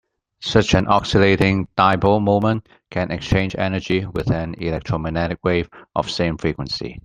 Such an oscillating dipole moment can exchange energy with an electromagnetic wave of same frequency.